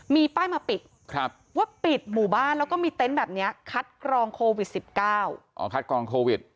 มีป้ายมาปิดว่าปิดหมู่บ้านแล้วก็มีเต็นต์แบบนี้คัดกลองโควิด๑๙